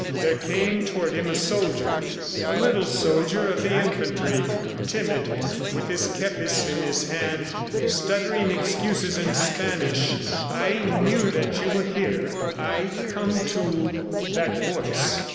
There came toward him a soldier a little soldier of the infantry, timid, with his kepis in his hand, stuttering excuses in Spanish: "I knew that you were here ... I come to ..." That voice?